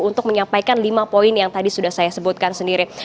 untuk menyampaikan lima poin yang tadi sudah saya sebutkan sendiri